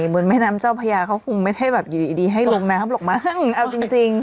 เหมือนแม่น้ำเจ้าพญาเขาคงไม่ได้แบบอยู่ดีให้ลงน้ำหรอกมั้งเอาจริงจริง